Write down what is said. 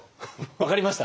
分かりました？